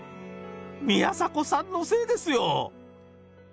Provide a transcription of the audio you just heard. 宮迫さんのせいですよ。